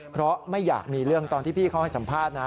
เพราะไม่อยากมีเรื่องตอนที่พี่เขาให้สัมภาษณ์นะ